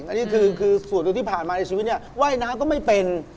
อันนี้คือส่วนตัวที่ผ่านมาในชีวิตเนี่ยว่ายน้ำก็ไม่เป็น